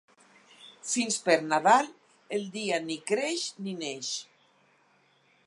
Fins per Nadal, el dia ni creix ni neix.